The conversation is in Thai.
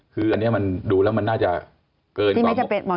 คืออันนี้มันดูแล้วมันน่าจะเกินกว่า